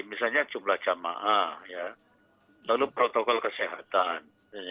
misalnya jumlah jamaah lalu protokol kesehatan